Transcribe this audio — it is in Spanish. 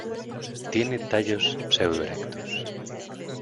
Tiene tallos pseudo erectos.